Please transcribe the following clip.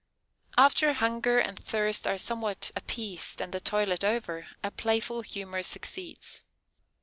After hunger and thirst are somewhat appeased, and the toilet over, a playful humor succeeds.